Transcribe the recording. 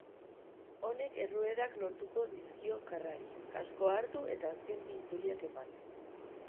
Honek erruedak lotuko dizkio karrari, kaskoa hartu eta azken bi itzuliak eman.